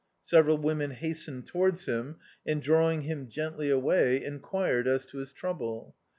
Several wtxnen hastened towarc^ him, and drawing him gently away, enquired as to his trouble.